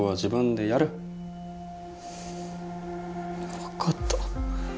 分かった